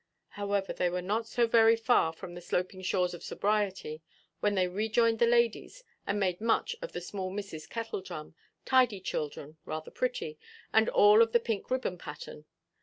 However, they were not so very far from the sloping shores of sobriety when they rejoined the ladies, and made much of the small Misses Kettledrum, tidy children, rather pretty, and all of the pink ribbon pattern.